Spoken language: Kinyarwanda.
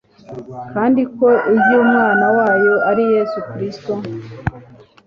kandi ko iry'Umwana wayo ari Yesu Kristo